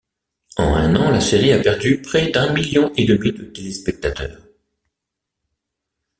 En un an, la série a perdu près d'un million et demi de téléspectateurs.